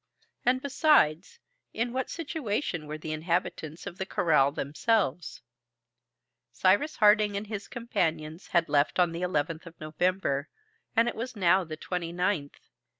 And, besides, in what situation were the inhabitants of the corral themselves? Cyrus Harding and his companions had left on the 11th of November, and it was now the 29th.